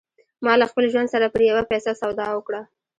ما له خپل ژوند سره پر يوه پيسه سودا وکړه.